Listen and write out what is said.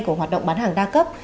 của hoạt động bán hàng đa cấp